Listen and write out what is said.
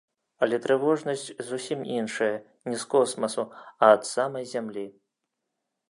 Але трывожнасць зусім іншая, не з космасу, а ад самай зямлі.